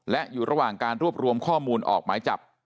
และอยู่ระหว่างการรวบรวมข้อมูลออกหมายจับ